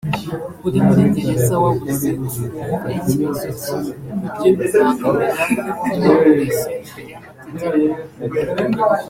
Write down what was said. uri muri gereza wabuze uwumva ikibazo cye… Ibyo bibangamira kwa kureshya imbere y’amategeko”